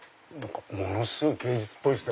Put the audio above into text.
ものすごい芸術っぽいですね